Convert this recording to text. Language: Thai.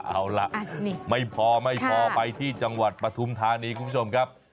เอาล่ะไม่พอไม่พอไปที่จังหวัดปฐุมธานีคุณผู้ชมครับ